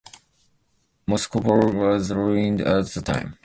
Moscopole was ruined at that time.